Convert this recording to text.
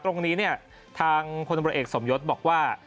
ตรงนี้เนี่ยทางผลบริเวณสมยศบอกว่า